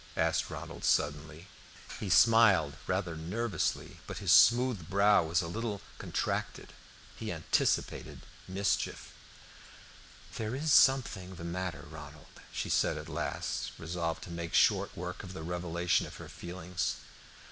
asked Ronald, suddenly. He smiled rather nervously, but his smooth brow was a little contracted. He anticipated mischief. "There is something the matter, Ronald," she said at last, resolved to make short work of the revelation of her feelings.